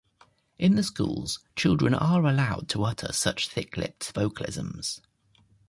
In the schools, children are allowed to utter such thick-lipped vocalisms.